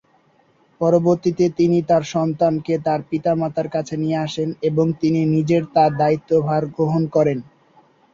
পরবর্তীতে তিনি তার সন্তানকে তার পিতামাতার কাছে নিয়ে আসেন এবং তিনি নিজের তার দায়িত্বভার গ্রহণ করেন।